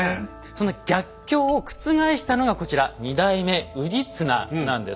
そんな逆境を覆したのがこちら２代目氏綱なんです。